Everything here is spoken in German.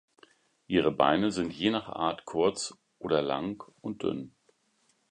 Ihre Beine sind je nach Art kurz oder lang und dünn.